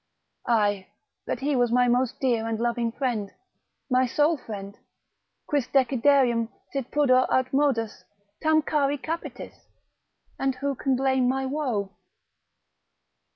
Aye, but he was my most dear and loving friend, my sole friend, Quis deciderio sit pudor aut modus Tam chari capitis?——— And who can blame my woe?